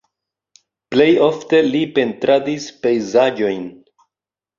Plej ofte li pentradis pejzaĝojn.